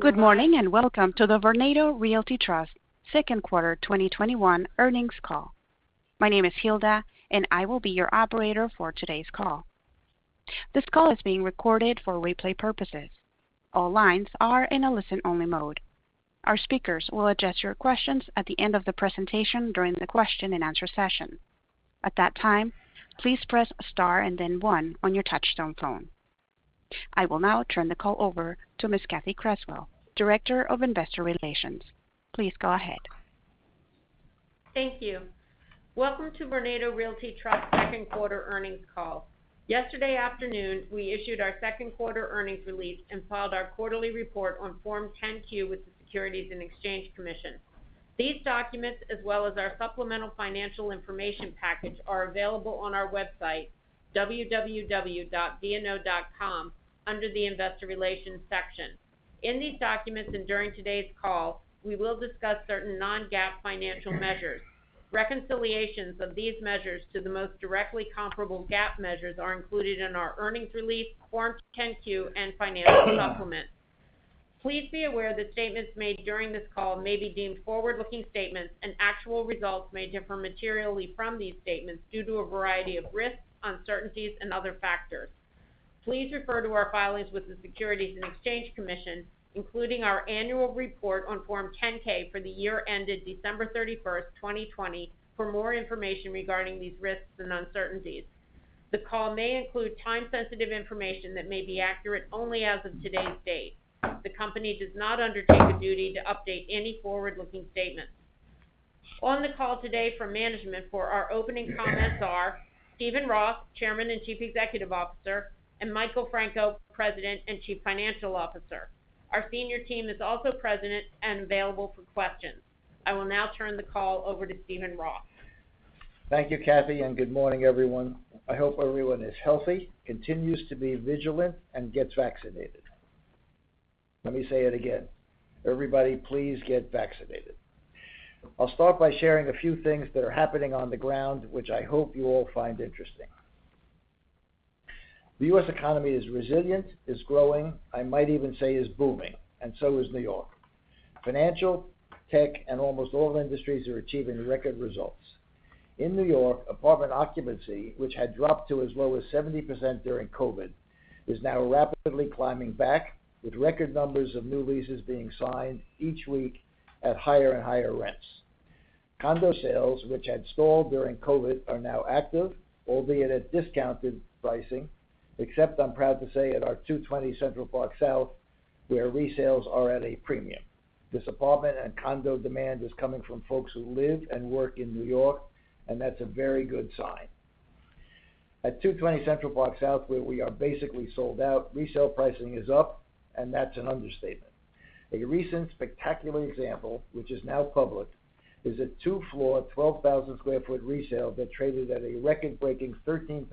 Good morning, welcome to the Vornado Realty Trust second quarter 2021 earnings call. My name is Hilda, and I will be your operator for today's call. This call is being recorded for replay purposes. All lines are in a listen-only mode. Our speakers will address your questions at the end of the presentation during the question-and-answer session. At that time, please press star and then one on your touch-tone phone. I will now turn the call over to Ms. Cathy Creswell, Director of Investor Relations. Please go ahead. Thank you. Welcome to Vornado Realty Trust second quarter earnings call. Yesterday afternoon, we issued our second quarter earnings release and filed our quarterly report on Form 10-Q with the Securities and Exchange Commission. These documents, as well as our supplemental financial information package, are available on our website www.vno.com under the investor relations section. In these documents and during today's call, we will discuss certain non-GAAP financial measures. Reconciliations of these measures to the most directly comparable GAAP measures are included in our earnings release, Form 10-Q, and financial supplement. Please be aware that statements made during this call may be deemed forward-looking statements, and actual results may differ materially from these statements due to a variety of risks, uncertainties, and other factors. Please refer to our filings with the Securities and Exchange Commission, including our annual report on Form 10-K for the year ended December 31st,2020, for more information regarding these risks and uncertainties. The call may include time-sensitive information that may be accurate only as of today's date. The company does not undertake a duty to update any forward-looking statements. On the call today from management for our opening comments are Steven Roth, Chairman and Chief Executive Officer, and Michael Franco, President and Chief Financial Officer. Our senior team is also present and available for questions. I will now turn the call over to Steven Roth. Thank you, Cathy. Good morning, everyone. I hope everyone is healthy, continues to be vigilant, and gets vaccinated. Let me say it again. Everybody, please get vaccinated. I'll start by sharing a few things that are happening on the ground, which I hope you all find interesting. The U.S. economy is resilient, is growing, I might even say is booming. So is New York. Financial, tech, and almost all industries are achieving record results. In New York, apartment occupancy, which had dropped to as low as 70% during COVID, is now rapidly climbing back with record numbers of new leases being signed each week at higher and higher rents. Condo sales, which had stalled during COVID, are now active, albeit at discounted pricing. Except I'm proud to say at our 220 Central Park South, where resales are at a premium. This apartment and condo demand is coming from folks who live and work in New York, and that's a very good sign. At 220 Central Park South, where we are basically sold out, resale pricing is up, and that's an understatement. A recent spectacular example, which is now public, is a two-floor, 12,000 sq ft resale that traded at a record-breaking $13,000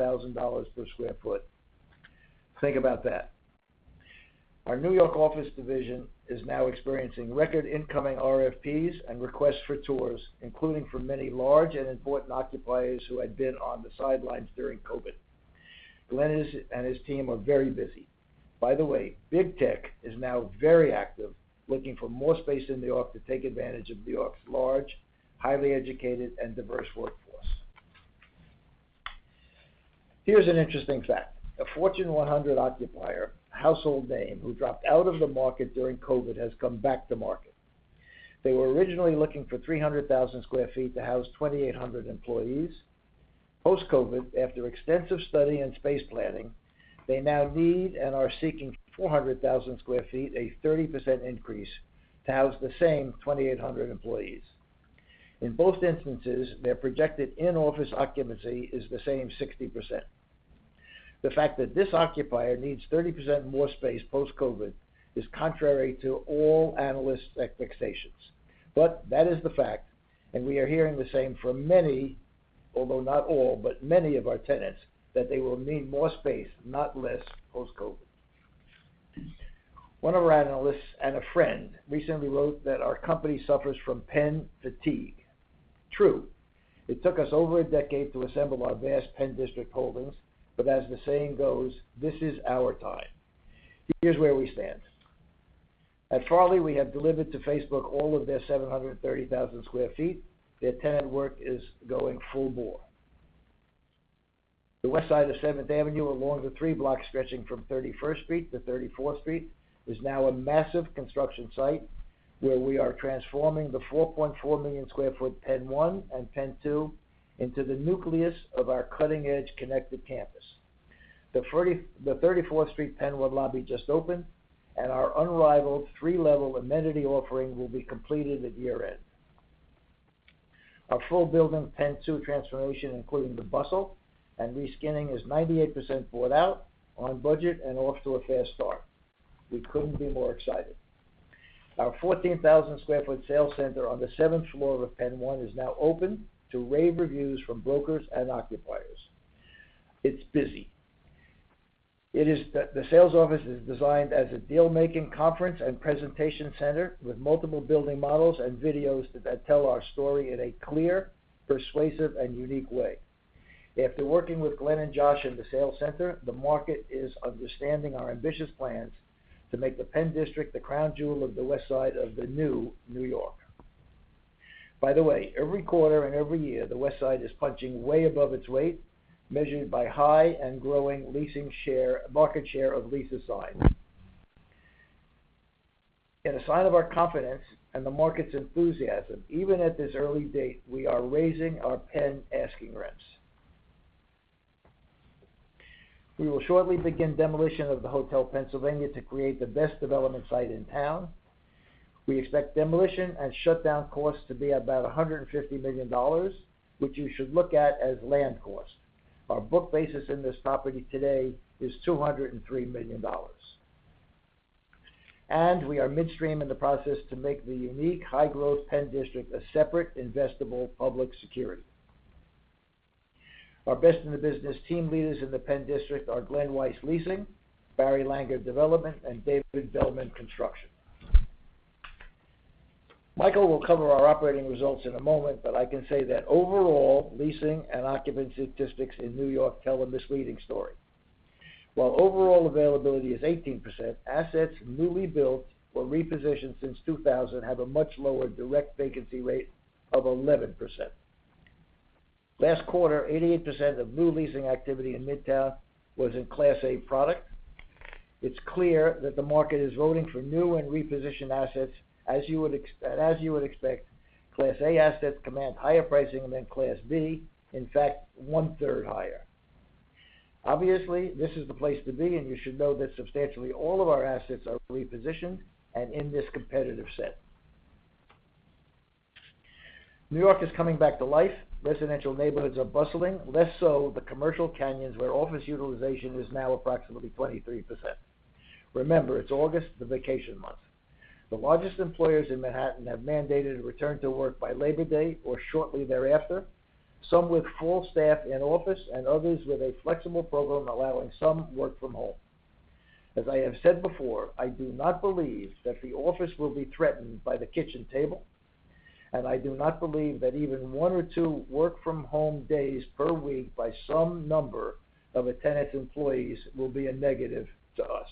per sq ft. Think about that. Our New York office division is now experiencing record incoming RFPs and requests for tours, including for many large and important occupiers who had been on the sidelines during COVID. Glen and his team are very busy. By the way, big tech is now very active, looking for more space in New York to take advantage of New York's large, highly educated, and diverse workforce. Here's an interesting fact. A Fortune 100 occupier, household name, who dropped out of the market during COVID has come back to market. They were originally looking for 300,000 sq ft to house 2,800 employees. Post-COVID, after extensive study and space planning, they now need and are seeking 400,000 sq ft, a 30% increase to house the same 2,800 employees. In both instances, their projected in-office occupancy is the same 60%. The fact that this occupier needs 30% more space post-COVID is contrary to all analysts' expectations. That is the fact, and we are hearing the same from many, although not all, but many of our tenants that they will need more space, not less, post-COVID. One of our analysts and a friend recently wrote that our company suffers from PENN fatigue. True. It took us over a decade to assemble our vast PENN District holdings, but as the saying goes, this is our time. Here's where we stand. At Farley, we have delivered to Facebook all of their 730,000 sq ft. Their tenant work is going full bore. The west side of Seventh Avenue along the three blocks stretching from 31st Street to 34th Street is now a massive construction site where we are transforming the 4.4 million sq ft PENN 1 and PENN 2 into the nucleus of our cutting-edge connected campus. The 34th Street PENN 1 lobby just opened, and our unrivaled three-level amenity offering will be completed at year end. Our full building PENN 2 transformation, including the bustle and reskinning, is 98% bought out, on budget, and off to a fast start. We couldn't be more excited. Our 14,000 sq ft sales center on the seventh floor of PENN 1 is now open to rave reviews from brokers and occupiers. It's busy. The sales office is designed as a deal-making conference and presentation center with multiple building models and videos that tell our story in a clear, persuasive, and unique way. After working with Glen and Josh in the sales center, the market is understanding our ambitious plans to make THE PENN DISTRICT the crown jewel of the West Side of the new New York. By the way, every quarter and every year, the West Side is punching way above its weight, measured by high and growing leasing market share of leases signed. In a sign of our confidence and the market's enthusiasm, even at this early date, we are raising our PENN asking rents. We will shortly begin demolition of the Hotel Pennsylvania to create the best development site in town. We expect demolition and shutdown costs to be about $150 million, which you should look at as land costs. Our book basis in this property today is $203 million. We are midstream in the process to make the unique high-growth PENN DISTRICT a separate investable public security. Our best-in-the-business team leaders in THE PENN DISTRICT are Glen Weiss leasing, Barry Langer development, and David Bellman construction. Michael will cover our operating results in a moment, but I can say that overall, leasing and occupancy statistics in New York tell a misleading story. While overall availability is 18%, assets newly built or repositioned since 2000 have a much lower direct vacancy rate of 11%. Last quarter, 88% of new leasing activity in Midtown was in Class A product. It's clear that the market is voting for new and repositioned assets as you would expect. Class A assets command higher pricing than Class B, in fact, one-third higher. This is the place to be, and you should know that substantially all of our assets are repositioned and in this competitive set. New York is coming back to life. Residential neighborhoods are bustling, less so the commercial canyons, where office utilization is now approximately 23%. Remember, it's August, the vacation month. The largest employers in Manhattan have mandated a return to work by Labor Day or shortly thereafter, some with full staff in office and others with a flexible program allowing some work from home. As I have said before, I do not believe that the office will be threatened by the kitchen table. I do not believe that even one or two work-from-home days per week by some number of a tenant's employees will be a negative to us.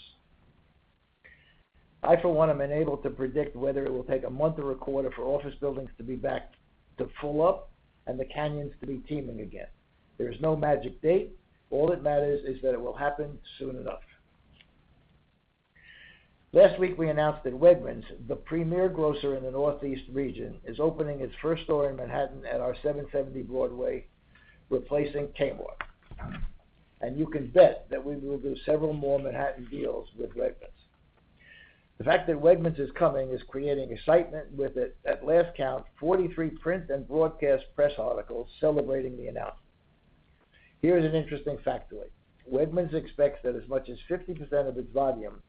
I, for one, am unable to predict whether it will take a month or a quarter for office buildings to be back to full up and the canyons to be teeming again. There is no magic date. All that matters is that it will happen soon enough. Last week, we announced that Wegmans, the premier grocer in the Northeast region, is opening its first store in Manhattan at our 770 Broadway, replacing Kmart. You can bet that we will do several more Manhattan deals with Wegmans. The fact that Wegmans is coming is creating excitement with it, at last count, 43 print and broadcast press articles celebrating the announcement. Here is an interesting factoid. Wegmans expects that as much as 50% of its volume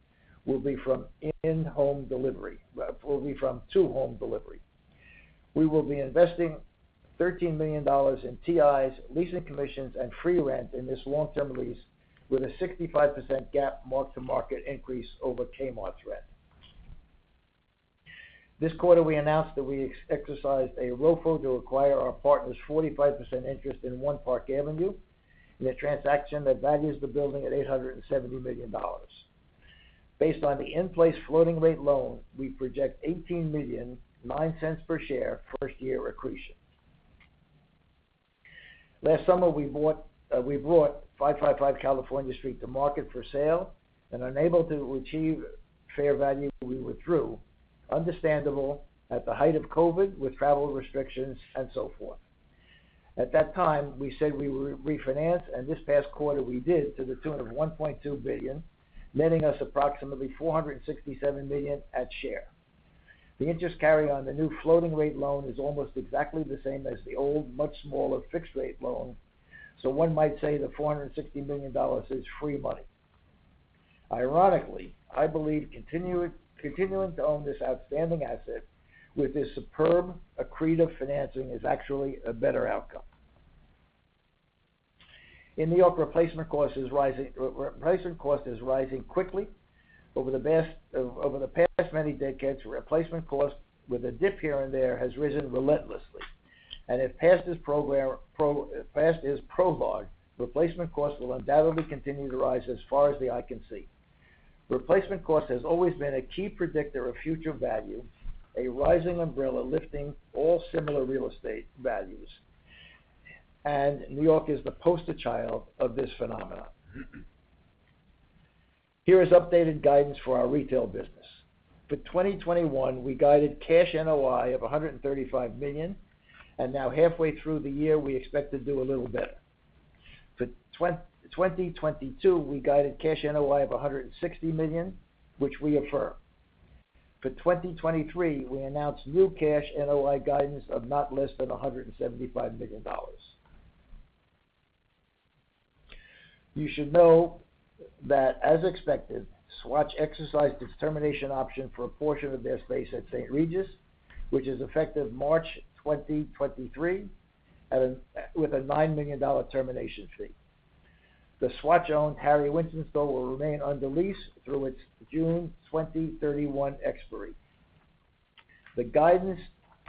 will be from to home delivery. We will be investing $13 million in TIs, leasing commissions, and free rent in this long-term lease with a 65% GAAP mark-to-market increase over Kmart's rent. This quarter, we announced that we exercised a ROFO to acquire our partner's 45% interest in One Park Avenue in a transaction that values the building at $870 million. Based on the in-place floating rate loan, we project $18 million, $0.09 per share, first-year accretion. Last summer, we brought 555 California Street to market for sale, and unable to achieve fair value, we withdrew, understandable at the height of COVID with travel restrictions and so forth. At that time, we said we would refinance, and this past quarter we did to the tune of $1.2 billion, netting us approximately $467 million at share. The interest carry on the new floating rate loan is almost exactly the same as the old, much smaller fixed rate loan, so one might say the $460 million is free money. Ironically, I believe continuing to own this outstanding asset with this superb accretive financing is actually a better outcome. In New York, replacement cost is rising quickly. Over the past many decades, replacement cost, with a dip here and there, has risen relentlessly. If past is prologue, replacement cost will undoubtedly continue to rise as far as the eye can see. Replacement cost has always been a key predictor of future value, a rising umbrella lifting all similar real estate values. New York is the poster child of this phenomenon. Here is updated guidance for our retail business. For 2021, we guided cash NOI of $135 million, and now halfway through the year, we expect to do a little better. For 2022, we guided cash NOI of $160 million, which we affirm. For 2023, we announced new cash NOI guidance of not less than $175 million. You should know that as expected, Swatch exercised its termination option for a portion of their space at St. Regis, which is effective March 2023, with a $9 million termination fee. The Swatch owned Harry Winston store will remain under lease through its June 2031 expiry. The guidance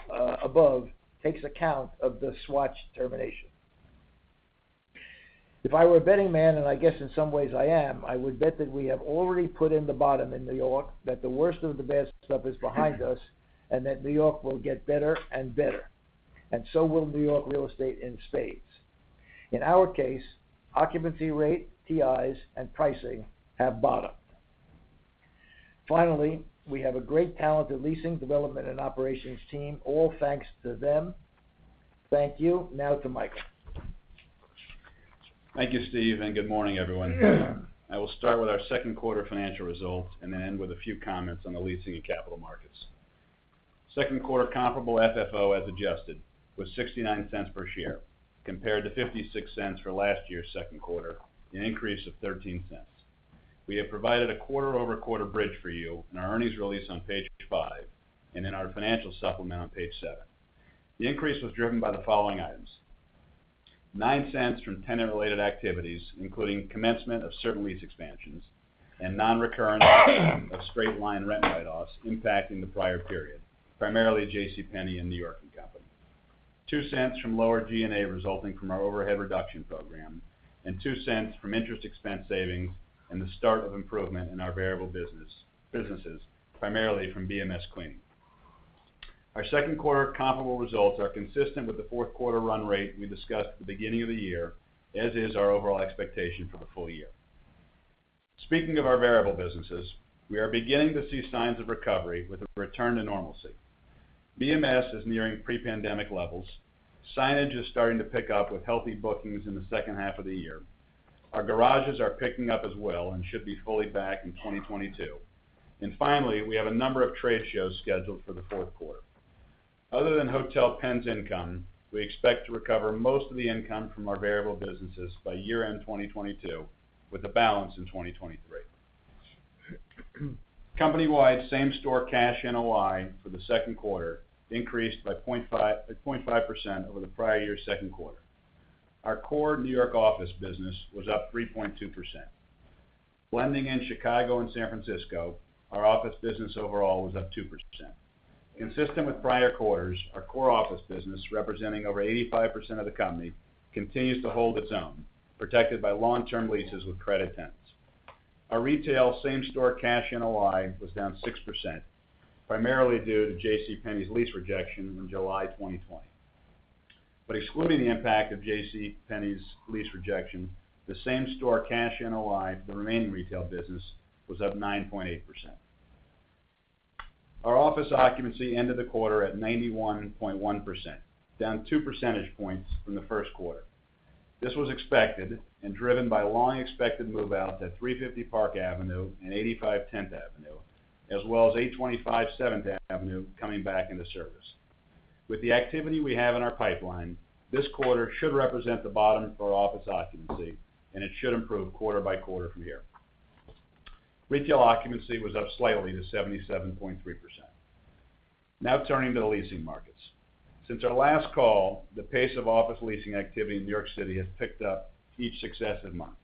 above takes account of the Swatch termination. If I were a betting man, and I guess in some ways I am, I would bet that we have already put in the bottom in New York, that the worst of the bad stuff is behind us, and that New York will get better and better, and so will New York real estate in spades. In our case, occupancy rate, TIs, and pricing have bottomed. Finally, we have a great talented leasing development and operations team, all thanks to them. Thank you. Now to Mike. Thank you, Steve, and good morning, everyone. I will start with our second quarter financial results and then end with a few comments on the leasing and capital markets. Second quarter comparable FFO, as adjusted, was $0.69 per share, compared to $0.56 for last year's second quarter, an increase of $0.13. We have provided a quarter-over-quarter bridge for you in our earnings release on page five, and in our financial supplement on page seven. The increase was driven by the following items: $0.09 from tenant-related activities, including commencement of certain lease expansions and non-recurrent of straight-line rent write-offs impacting the prior period, primarily JCPenney and New York & Company. $0.02 from lower G&A resulting from our overhead reduction program, and $0.02 from interest expense savings and the start of improvement in our variable businesses, primarily from BMS Cleaning. Our second quarter comparable results are consistent with the fourth quarter run rate we discussed at the beginning of the year, as is our overall expectation for the full year. Speaking of our variable businesses, we are beginning to see signs of recovery with a return to normalcy. BMS is nearing pre-pandemic levels. Signage is starting to pick up with healthy bookings in the second half of the year. Our garages are picking up as well and should be fully back in 2022. Finally, we have a number of trade shows scheduled for the fourth quarter. Other than Hotel Penn's income, we expect to recover most of the income from our variable businesses by year-end 2022, with a balance in 2023. Company-wide same-store cash NOI for the second quarter increased by 0.5% over the prior year's second quarter. Our core New York office business was up 3.2%. Our office business overall was up 2%. Consistent with prior quarters, our core office business, representing over 85% of the company, continues to hold its own, protected by long-term leases with credit tenants. Our retail same-store cash NOI was down 6%, primarily due to JCPenney's lease rejection in July 2020. Excluding the impact of JCPenney's lease rejection, the same-store cash NOI for the remaining retail business was up 9.8%. Our office occupancy ended the quarter at 91.1%, down two percentage points from the first quarter. This was expected and driven by long-expected move-outs at 350 Park Avenue and 85 Tenth Avenue, as well as 825 Seventh Avenue coming back into service. With the activity we have in our pipeline, this quarter should represent the bottom for office occupancy, it should improve quarter by quarter from here. Retail occupancy was up slightly to 77.3%. Turning to the leasing markets. Since our last call, the pace of office leasing activity in New York City has picked up each successive month.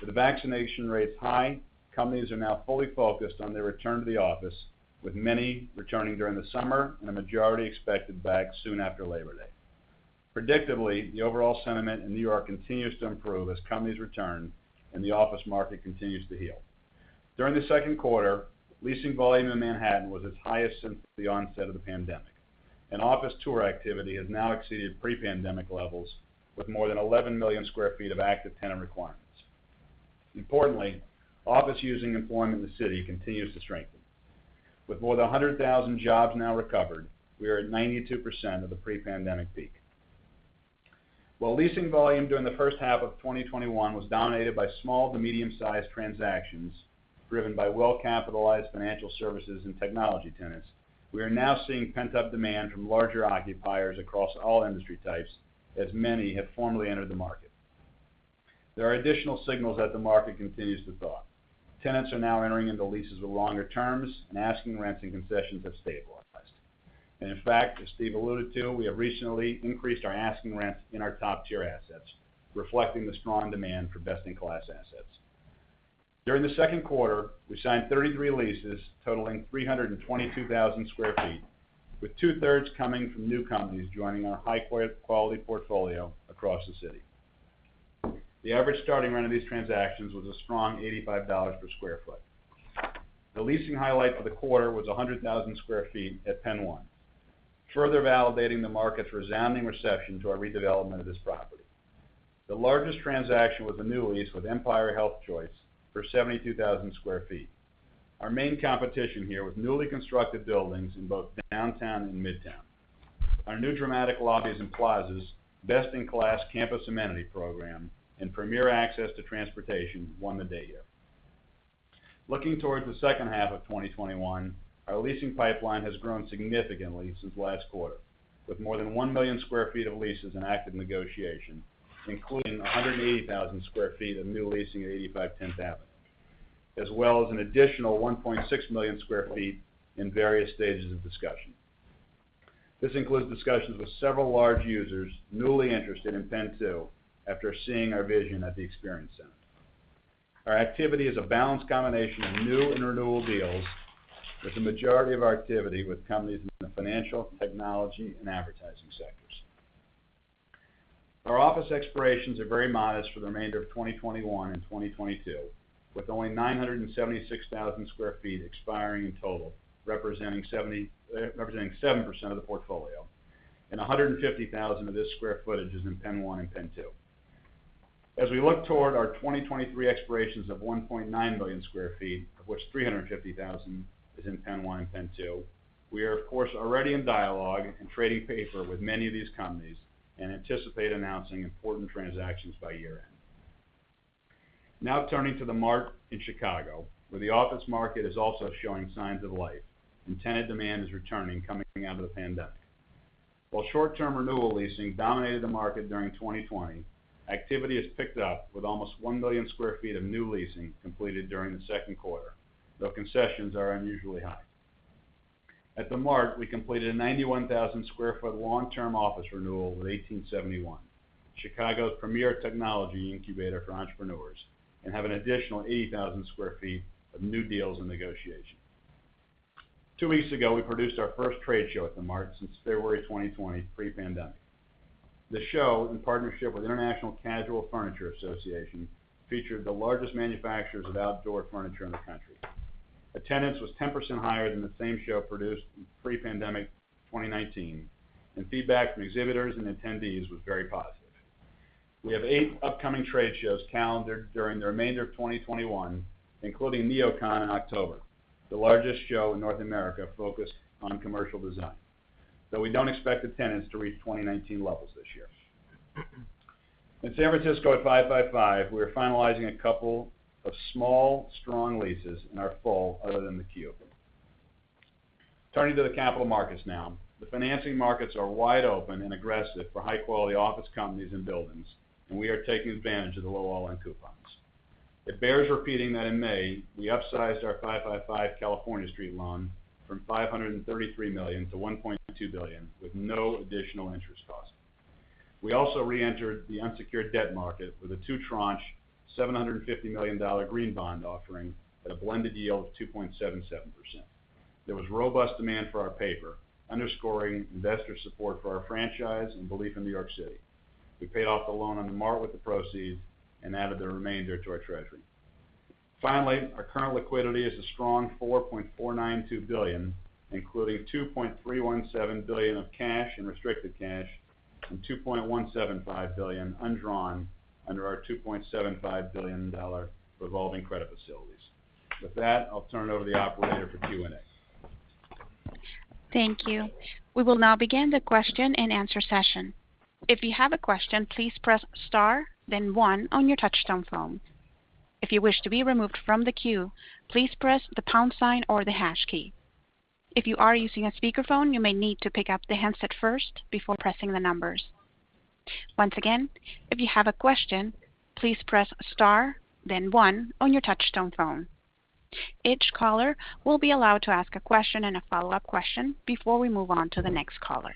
With the vaccination rates high, companies are now fully focused on their return to the office, with many returning during the summer and the majority expected back soon after Labor Day. Predictably, the overall sentiment in New York continues to improve as companies return and the office market continues to heal. During the second quarter, leasing volume in Manhattan was its highest since the onset of the pandemic, and office tour activity has now exceeded pre-pandemic levels, with more than 11 million sq ft of active tenant requirements. Importantly, office-using employment in the city continues to strengthen. With more than 100,000 jobs now recovered, we are at 92% of the pre-pandemic peak. While leasing volume during the first half of 2021 was dominated by small to medium-sized transactions driven by well-capitalized financial services and technology tenants, we are now seeing pent-up demand from larger occupiers across all industry types, as many have formally entered the market. There are additional signals that the market continues to thaw. Tenants are now entering into leases with longer terms, asking rents and concessions have stabilized. In fact, as Steve alluded to, we have recently increased our asking rents in our top-tier assets, reflecting the strong demand for best-in-class assets. During the second quarter, we signed 33 leases totaling 322,000 sq ft, with 2/3 coming from new companies joining our high-quality portfolio across the city. The average starting rent of these transactions was a strong $85 per sq ft. The leasing highlight for the quarter was 100,000 sq ft at PENN 1, further validating the market's resounding reception to our redevelopment of this property. The largest transaction was a new lease with Empire HealthChoice for 72,000 sq ft. Our main competition here was newly constructed buildings in both downtown and midtown. Our new dramatic lobbies and plazas, best-in-class campus amenity program, and premier access to transportation won the day here. Looking towards the second half of 2021, our leasing pipeline has grown significantly since last quarter, with more than 1 million sq ft of leases in active negotiation, including 180,000 sq ft of new leasing at 85 Tenth Avenue, as well as an additional 1.6 million sq ft in various stages of discussion. This includes discussions with several large users newly interested in PENN 2 after seeing our vision at the experience center. Our activity is a balanced combination of new and renewal deals, with the majority of our activity with companies in the financial, technology, and advertising sectors. Our office expirations are very modest for the remainder of 2021 and 2022, with only 976,000 sq ft expiring in total, representing 7% of the portfolio, and 150,000 of this sq ft is in PENN 1 and PENN 2. As we look toward our 2023 expirations of 1.9 million sq ft, of which 350,000 is in PENN 1 and PENN 2, we are, of course, already in dialogue and trading paper with many of these companies and anticipate announcing important transactions by year-end. Turning to The Mart in Chicago, where the office market is also showing signs of life and tenant demand is returning coming out of the pandemic. While short-term renewal leasing dominated the market during 2020, activity has picked up with almost 1 million sq ft of new leasing completed during the second quarter, though concessions are unusually high. At The Mart, we completed a 91,000 sq ft long-term office renewal with 1871, Chicago's premier technology incubator for entrepreneurs, and have an additional 80,000 sq ft of new deals in negotiation. Two weeks ago, we produced our first trade show at The Mart since February 2020, pre-pandemic. The show, in partnership with International Casual Furnishings Association, featured the largest manufacturers of outdoor furniture in the country. Attendance was 10% higher than the same show produced in pre-pandemic 2019, and feedback from exhibitors and attendees was very positive. We have eight upcoming trade shows calendared during the remainder of 2021, including NeoCon in October, the largest show in North America focused on commercial design. We don't expect attendance to reach 2019 levels this year. In San Francisco at 555, we are finalizing a couple of small, strong leases in our full, other than the cube. Turning to the capital markets now. The financing markets are wide open and aggressive for high-quality office companies and buildings, and we are taking advantage of the low all-in coupons. It bears repeating that in May, we upsized our 555 California Street loan from $533 million to $1.2 billion with no additional interest cost. We also re-entered the unsecured debt market with a two-tranche, $750 million green bond offering at a blended yield of 2.77%. There was robust demand for our paper, underscoring investor support for our franchise and belief in New York City. We paid off the loan on The Mart with the proceeds and added the remainder to our treasury. Finally, our current liquidity is a strong $4.492 billion, including $2.317 billion of cash and restricted cash and $2.175 billion undrawn under our $2.75 billion revolving credit facilities. With that, I'll turn it over to the operator for Q&A. Thank you. We will now begin the question-and-answer session. If you have a question, please press the star and one on your touch-tone phone. If you wish to be removed from the queue, please press the pound sign or the hash key. If you are using a speakerphone, you may need to pick up the handset first before pressing the numbers. Once again, if you have a question, please press star then one on your touch-tone phone. Each caller will be allowed to ask a question and a follow-up question before we move on to the next caller.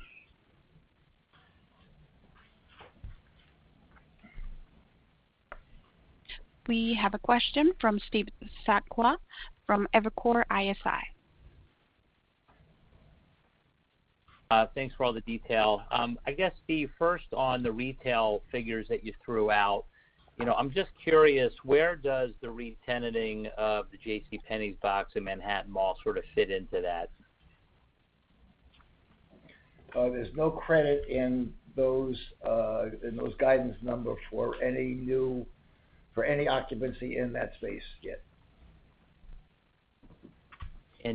We have a question from Steve Sakwa from Evercore ISI. Thanks for all the detail. I guess, Steve, first on the retail figures that you threw out. I'm just curious, where does the re-tenanting of the JCPenney's box in Manhattan Mall sort of fit into that? There's no credit in those guidance numbers for any occupancy in that space yet.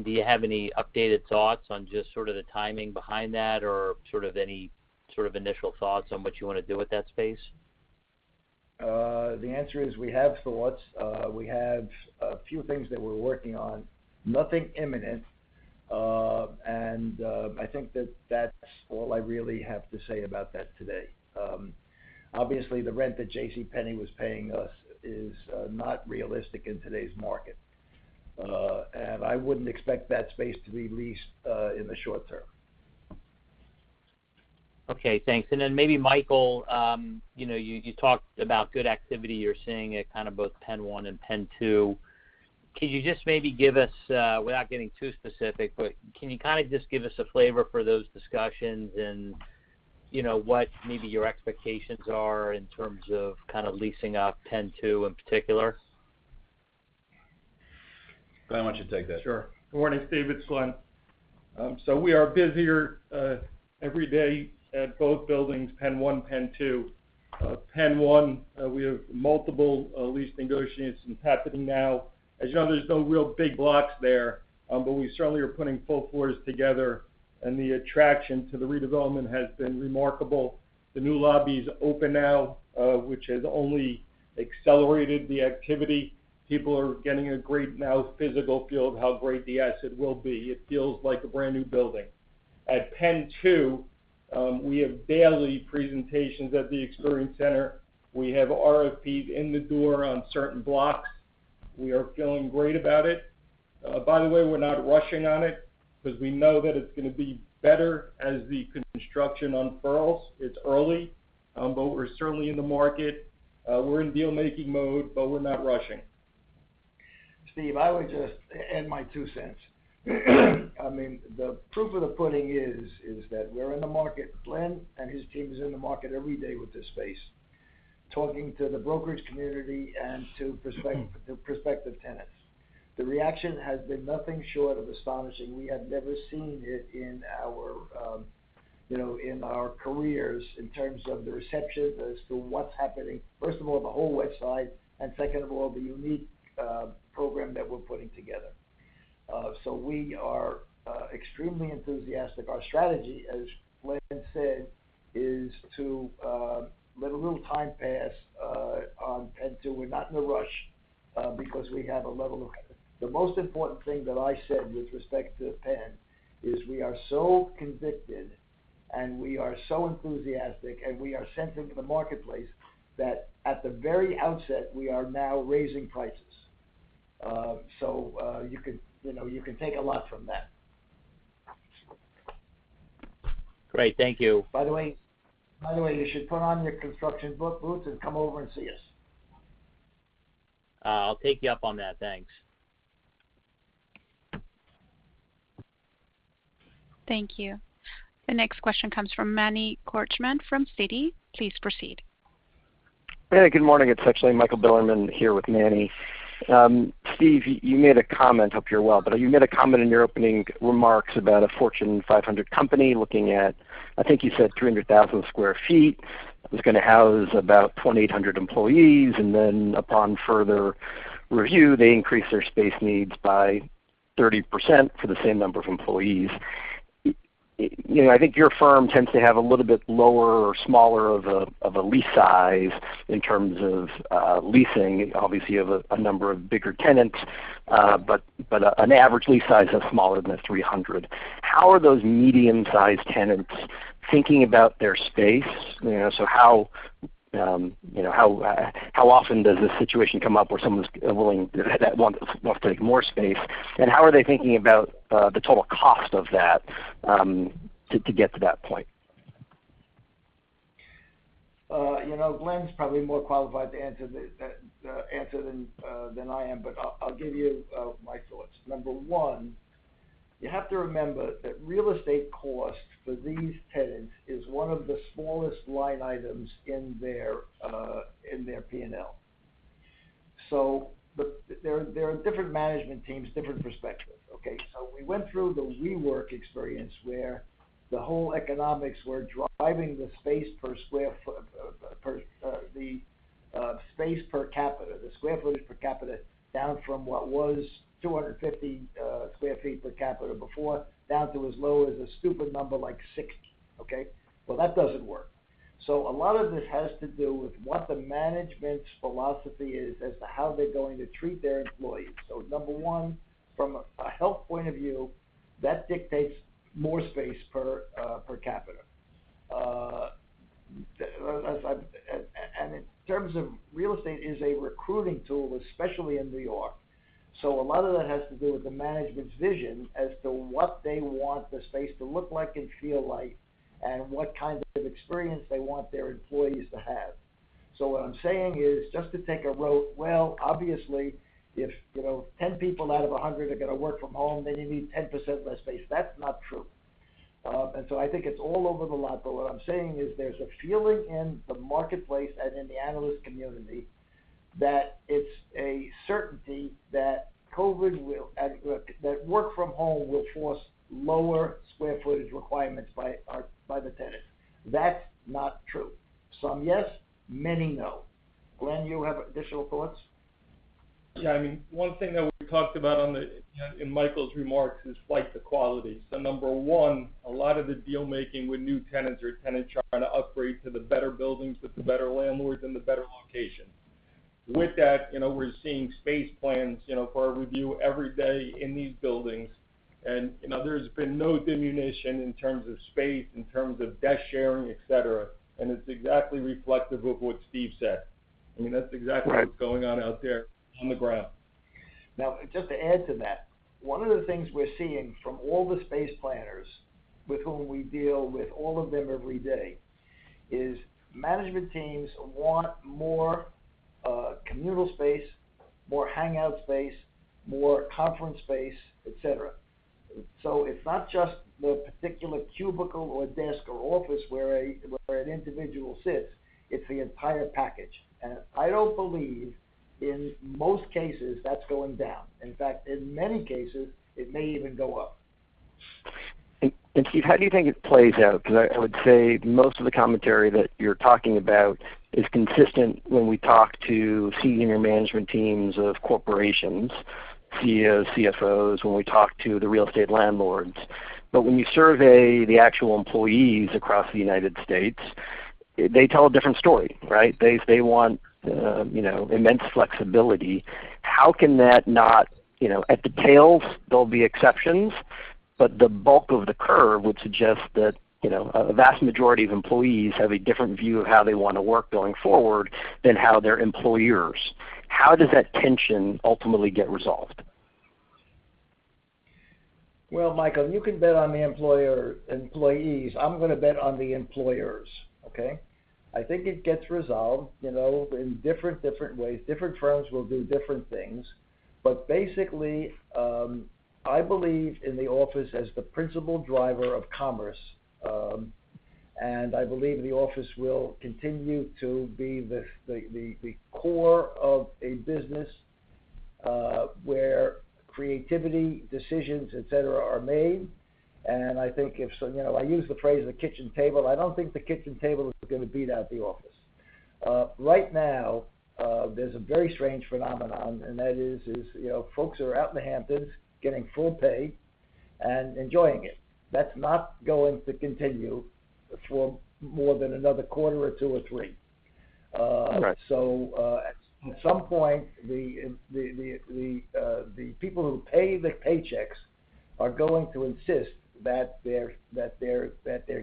Do you have any updated thoughts on just sort of the timing behind that or any sort of initial thoughts on what you want to do with that space? The answer is we have thoughts. We have a few things that we're working on. Nothing imminent. I think that that's all I really have to say about that today. Obviously, the rent that JCPenney was paying us is not realistic in today's market. I wouldn't expect that space to be leased in the short term. Okay, thanks. Maybe Michael, you talked about good activity. You're seeing it kind of both PENN 1 and PENN 2. Can you just maybe give us, without getting too specific, but can you kind of just give us a flavor for those discussions and what maybe your expectations are in terms of kind of leasing up PENN 2 in particular? Glen, why don't you take that? Good morning, Steve. It's Glen. We are busier every day at both buildings, PENN 1, PENN 2. PENN 1, we have multiple lease negotiations happening now. As you know, there's no real big blocks there, but we certainly are putting full floors together, and the attraction to the redevelopment has been remarkable. The new lobby's open now, which has only accelerated the activity. People are getting a great now physical feel of how great the asset will be. It feels like a brand-new building. At PENN 2, we have daily presentations at the Experience Center. We have RFPs in the door on certain blocks. We are feeling great about it. By the way, we're not rushing on it because we know that it's going to be better as the construction unfurls. It's early, but we're certainly in the market. We're in deal-making mode, but we're not rushing. Steve, I would just add my two cents. I mean, the proof of the pudding is that we're in the market. Glen and his team is in the market every day with this space, talking to the brokerage community and to prospective tenants. The reaction has been nothing short of astonishing. We have never seen it in our careers in terms of the reception as to what's happening, first of all, the whole West Side, and second of all, the unique program that we're putting together. We are extremely enthusiastic. Our strategy, as Glen said, is to let a little time pass and to, we're not in a rush. The most important thing that I said with respect to PENN is we are so convicted, and we are so enthusiastic, and we are sensing the marketplace, that at the very outset, we are now raising prices. You can take a lot from that. Great. Thank you. By the way, you should put on your construction boots and come over and see us. I'll take you up on that. Thanks. Thank you. The next question comes from Manny Korchman from Citi. Please proceed. Hey, good morning. It's actually Michael Bilerman here with Manny. Steve, you made a comment. Hope you're well. You made a comment in your opening remarks about a Fortune 500 company looking at, I think you said 300,000 sq ft, was going to house about 2,800 employees, and then upon further review, they increased their space needs by 30% for the same number of employees. I think your firm tends to have a little bit lower or smaller of a lease size in terms of leasing. Obviously, you have a number of bigger tenants, but an average lease size of smaller than 300. How are those medium-sized tenants thinking about their space? How often does this situation come up where someone's willing, that wants to take more space, and how are they thinking about the total cost of that to get to that point? Glen's probably more qualified to answer than I am, but I'll give you my thoughts. Number one, you have to remember that real estate cost for these tenants is one of the smallest line items in their P&L. There are different management teams, different perspectives, okay? We went through the WeWork experience, where the whole economics were driving the space per square foot, the space per capita, the square footage per capita, down from what was 250 sq ft per capita before, down to as low as a stupid number like 60, okay? That doesn't work. A lot of this has to do with what the management's philosophy is as to how they're going to treat their employees. Number one, from a health point of view, that dictates more space per capita. In terms of real estate as a recruiting tool, especially in New York. A lot of that has to do with the management's vision as to what they want the space to look like and feel like, and what kind of experience they want their employees to have. What I'm saying is, just to take a rote, well, obviously, if 10 people out of 100 are going to work from home, then you need 10% less space. That's not true. I think it's all over the lot, but what I'm saying is there's a feeling in the marketplace and in the analyst community that it's a certainty that work from home will force lower square footage requirements by the tenant. That's not true. Some yes, many no. Glen, you have additional thoughts? Yeah. One thing that we talked about in Michael's remarks is flight to quality. Number one, a lot of the deal-making with new tenants or tenants trying to upgrade to the better buildings with the better landlords and the better locations. With that, we're seeing space plans, for our review every day in these buildings, and there's been no diminution in terms of space, in terms of desk sharing, et cetera, and it's exactly reflective of what Steve said. That's exactly what's going on out there on the ground. Just to add to that, one of the things we're seeing from all the space planners with whom we deal with, all of them every day, is management teams want more communal space, more hangout space, more conference space, et cetera. It's not just the particular cubicle or desk or office where an individual sits, it's the entire package. I don't believe, in most cases, that's going down. In fact, in many cases, it may even go up. Steve, how do you think it plays out? Because I would say most of the commentary that you're talking about is consistent when we talk to senior management teams of corporations, CEOs, CFOs, when we talk to the real estate landlords. When you survey the actual employees across the U.S., they tell a different story, right? They want immense flexibility. At the tails, there'll be exceptions. The bulk of the curve would suggest that a vast majority of employees have a different view of how they want to work going forward than how their employers. How does that tension ultimately get resolved? Well, Michael, you can bet on the employees. I'm going to bet on the employers. Okay? I think it gets resolved, in different ways. Different firms will do different things. Basically, I believe in the office as the principal driver of commerce. I believe the office will continue to be the core of a business, where creativity, decisions, et cetera, are made. I use the phrase the kitchen table, I don't think the kitchen table is going to beat out the office. Right now, there's a very strange phenomenon, and that is, folks are out in the Hamptons getting full pay and enjoying it. That's not going to continue for more than another quarter or two or three. All right. At some point, the people who pay the paychecks are going to insist that their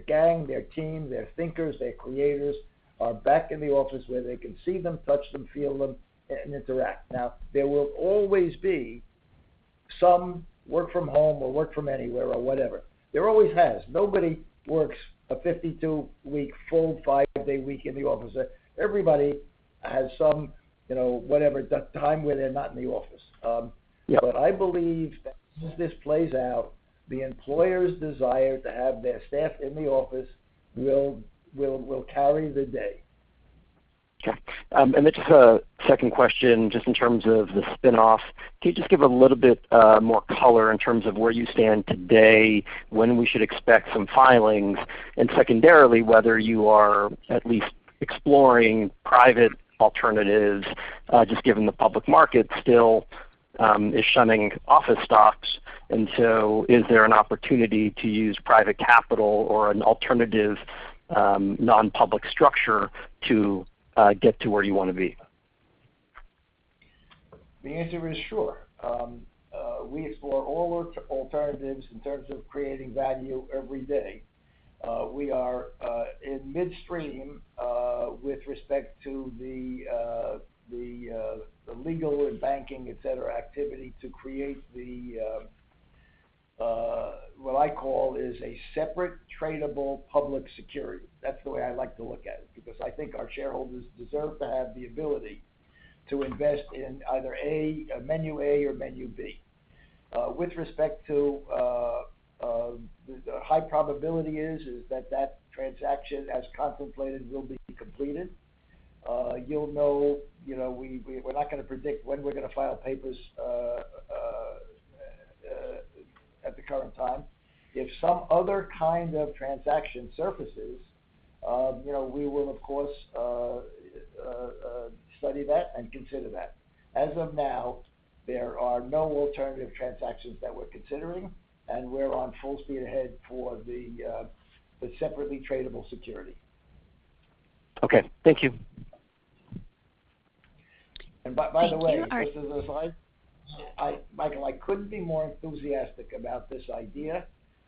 gang, their team, their thinkers, their creators, are back in the office where they can see them, touch them, feel them, and interact. There will always be some work from home or work from anywhere or whatever. There always has. Nobody works a 52-week, full five-day week in the office. Everybody has some, whatever, time where they're not in the office. Yep. I believe that as this plays out, the employer's desire to have their staff in the office will carry the day. Okay. Just a second question, just in terms of the spinoff. Can you just give a little bit more color in terms of where you stand today, when we should expect some filings, and secondarily, whether you are at least exploring private alternatives, just given the public market still is shunning office stocks. Is there an opportunity to use private capital or an alternative, non-public structure to get to where you want to be? The answer is sure. We explore all alternatives in terms of creating value every day. We are in midstream, with respect to the legal and banking, et cetera, activity to create what I call is a separate tradable public security. That's the way I like to look at it, because I think our shareholders deserve to have the ability to invest in either menu A or menu B. With respect to the high probability is that transaction as contemplated will be completed. We're not going to predict when we're going to file papers at the current time. If some other kind of transaction surfaces, we will, of course, study that and consider that. As of now, there are no alternative transactions that we're considering, and we're on full speed ahead for the separately tradable security. Okay. Thank you. And by the way- Thank you. Michael, I couldn't be more enthusiastic about this idea,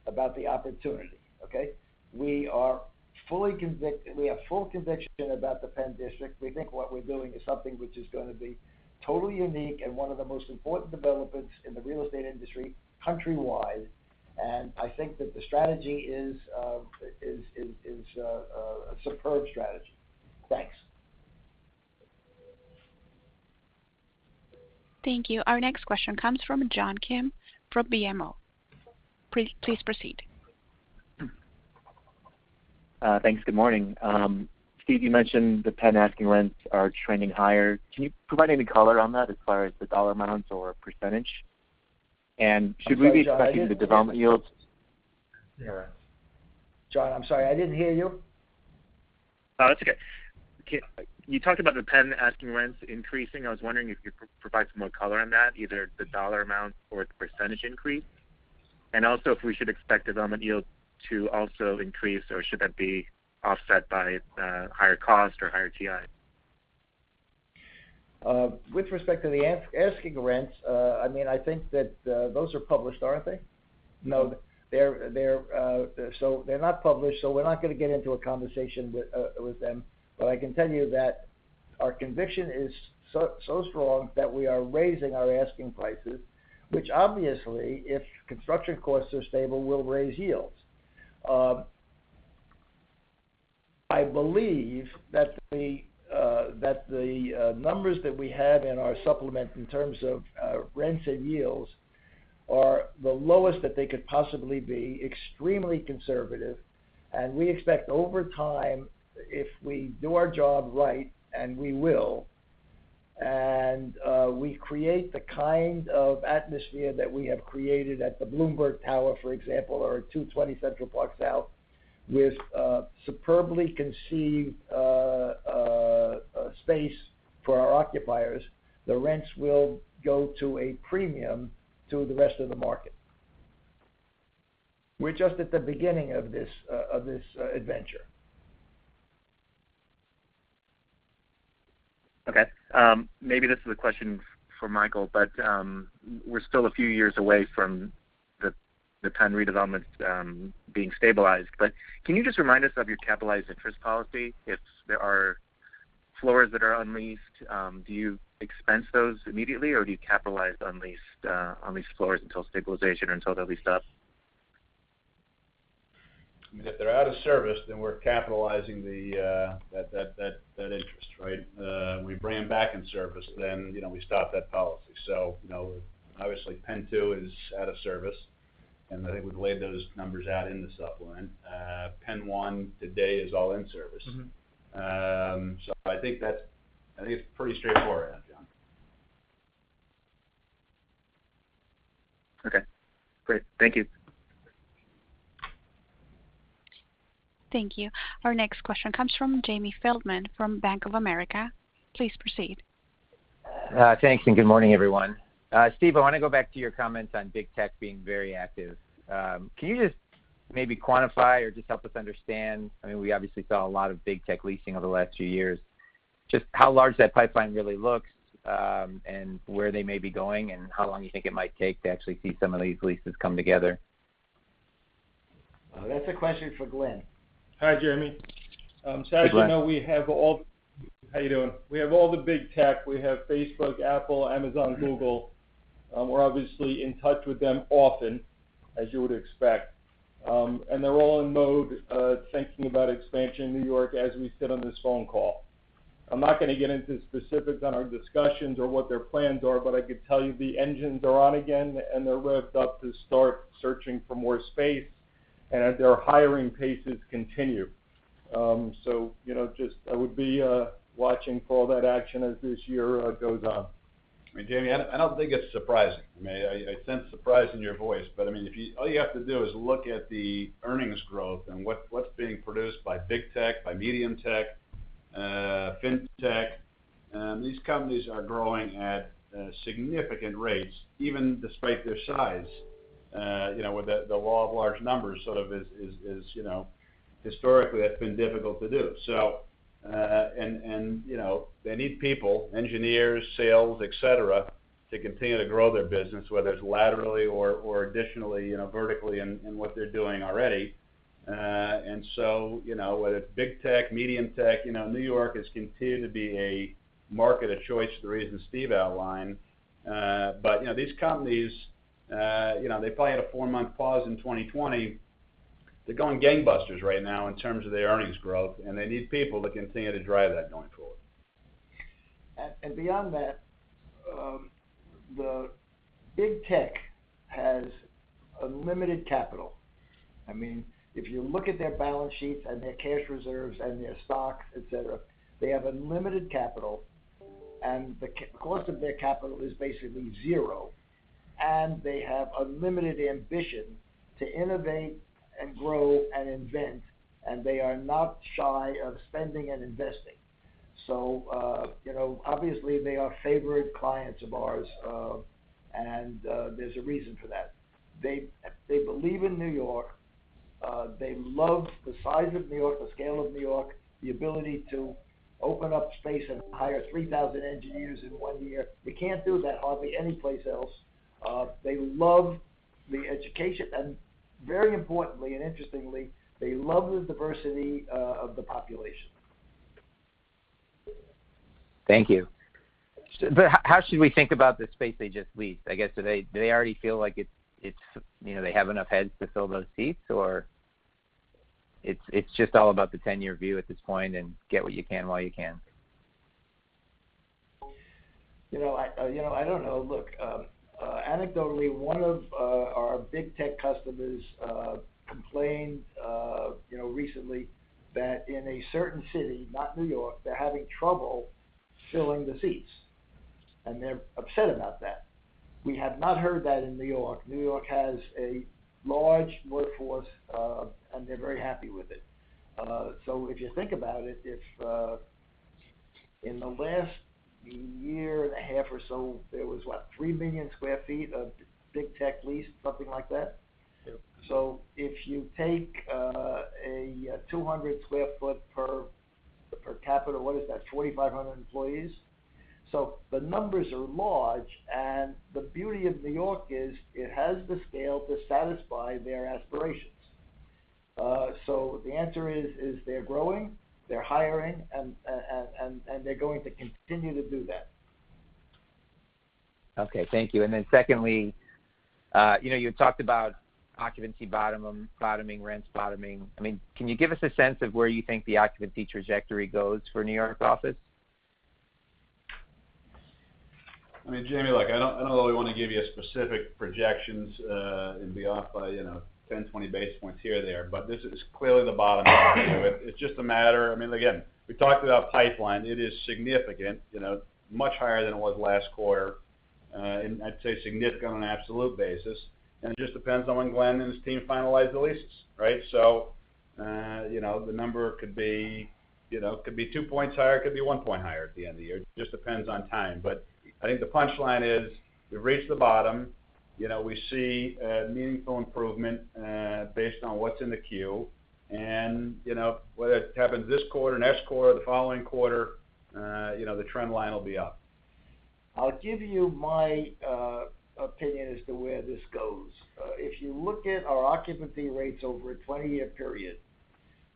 about the opportunity. Okay? We have full conviction about THE PENN DISTRICT. We think what we're doing is something which is going to be totally unique and one of the most important developments in the real estate industry country wide. I think that the strategy is a superb strategy. Thanks. Thank you. Our next question comes from John Kim from BMO. Please proceed. Thanks. Good morning. Steve, you mentioned the PENN asking rents are trending higher. Can you provide any color on that as far as the dollar amounts or percentage? Should we be expecting the development yields? John, I'm sorry, I didn't hear you. Oh, that's okay. You talked about the PENN asking rents increasing. I was wondering if you could provide some more color on that, either the dollar amount or the % increase, and also if we should expect development yields to also increase or should that be offset by higher cost or higher TI. With respect to the asking rents, I think that those are published, aren't they? No. They're not published, we're not going to get into a conversation with them. I can tell you that our conviction is so strong that we are raising our asking prices, which obviously, if construction costs are stable, will raise yields. I believe that the numbers that we have in our supplement in terms of rents and yields are the lowest that they could possibly be, extremely conservative. We expect over time, if we do our job right, and we will, and we create the kind of atmosphere that we have created at the Bloomberg Tower, for example, or at 220 Central Park South, with superbly conceived space for our occupiers, the rents will go to a premium to the rest of the market. We're just at the beginning of this adventure. Okay. Maybe this is a question for Michael, but we're still a few years away from the PENN redevelopment being stabilized. Can you just remind us of your capitalized interest policy if there are floors that are unleased? Do you expense those immediately, or do you capitalize on leased floors until stabilization or until they're leased up? If they're out of service, then we're capitalizing that interest, right? When we bring them back in service, then we stop that policy. Obviously, PENN 2 is out of service, and I think we've laid those numbers out in the supplement. PENN 1 today is all in service. I think it's pretty straightforward on that, John. Okay, great. Thank you. Thank you. Our next question comes from Jamie Feldman from Bank of America. Please proceed. Thanks, good morning, everyone. Steve, I want to go back to your comments on Big Tech being very active. Can you just maybe quantify or just help us understand? We obviously saw a lot of Big Tech leasing over the last few years. Just how large that pipeline really looks, where they may be going, and how long you think it might take to actually see some of these leases come together? That's a question for Glen. Hi, Jamie. Hi, Glen. How you doing? We have all the Big Tech. We have Facebook, Apple, Amazon, Google. We're obviously in touch with them often, as you would expect. They're all in mode thinking about expansion in New York as we sit on this phone call. I'm not going to get into specifics on our discussions or what their plans are. I could tell you the engines are on again. They're revved up to start searching for more space. Their hiring paces continue. I would be watching for all that action as this year goes on. Jamie, I don't think it's surprising. I sense surprise in your voice, but all you have to do is look at the earnings growth and what's being produced by Big Tech, by medium tech, and fintech. These companies are growing at significant rates, even despite their size. With the law of large numbers, sort of is historically that's been difficult to do. And they need people, engineers, sales, et cetera, to continue to grow their business, whether it's laterally or additionally, vertically in what they're doing already. And so, whether it's big tech, medium tech, New York has continued to be a market of choice for the reasons Steve outlined. But these companies they probably had a four-month pause in 2020. They're going gangbusters right now in terms of their earnings growth, and they need people to continue to drive that going forward. Beyond that, the Big Tech has unlimited capital. If you look at their balance sheets and their cash reserves and their stock, et cetera, they have unlimited capital, and the cost of their capital is basically zero, and they have unlimited ambition to innovate and grow and invent, and they are not shy of spending and investing. Obviously, they are favorite clients of ours, and there's a reason for that. They believe in New York. They love the size of New York, the scale of New York, the ability to open up space and hire 3,000 engineers in one year. They can't do that hardly anyplace else. They love the education, and very importantly and interestingly, they love the diversity of the population. Thank you. How should we think about the space they just leased? I guess, do they already feel like they have enough heads to fill those seats, or it's just all about the 10-year view at this point and get what you can while you can? I don't know. Look, anecdotally, one of our Big Tech customers complained recently that in a certain city, not New York, they're having trouble filling the seats, and they're upset about that. We have not heard that in New York. New York has a large workforce, and they're very happy with it. If you think about it, if in the last year and a half or so, there was what, 3 million sq ft of Big Tech leased, something like that? Yeah. If you take a 200 sq ft per capita, what is that, 2,500 employees? The numbers are large, and the beauty of New York is it has the scale to satisfy their aspirations. The answer is they're growing, they're hiring, and they're going to continue to do that. Okay. Thank you. Secondly, you talked about occupancy bottoming, rents bottoming. Can you give us a sense of where you think the occupancy trajectory goes for New York office? Jamie, look, I don't really want to give you specific projections and be off by 10, 20 basis points here or there, but this is clearly the bottom end of it. It's just a matter, again, we talked about pipeline. It is significant, much higher than it was last quarter, and I'd say significant on an absolute basis, and it just depends on when Glen and his team finalize the leases, right? The number could be two points higher; it could be one point higher at the end of the year. It just depends on time. I think the punchline is we've reached the bottom. We see a meaningful improvement based on what's in the queue, and whether it happens this quarter, next quarter, or the following quarter, the trend line will be up. I'll give you my opinion as to where this goes. If you look at our occupancy rates over a 20-year period,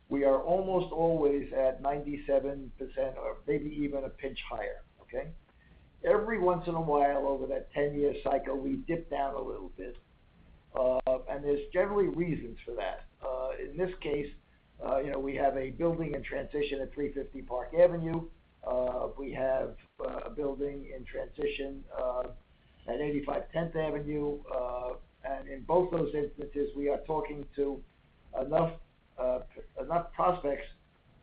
we are almost always at 97%, or maybe even a pinch higher. Okay. Every once in a while, over that 10-year cycle, we dip down a little bit, and there's generally reasons for that. In this case, we have a building in transition at 350 Park Avenue. We have a building in transition at 85 Tenth Avenue. In both those instances, we are talking to enough prospects